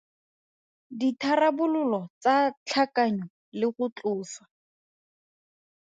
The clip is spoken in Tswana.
Ditharabololo tsa tlhakanyo le go tlosa.